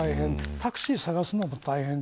タクシー探すのも大変。